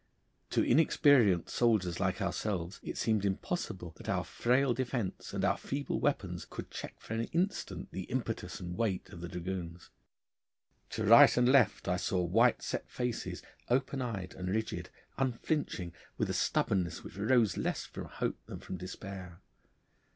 To inexperienced soldiers like ourselves it seemed impossible that our frail defence and our feeble weapons could check for an instant the impetus and weight of the dragoons. To right and left I saw white set faces, open eyed and rigid, unflinching, with a stubbornness which rose less from hope than from despair.